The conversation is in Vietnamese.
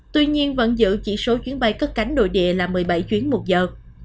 tuy nhiên vẫn giữ chỉ số chuyến bay cất cánh nội địa là một mươi bảy chuyến một giờ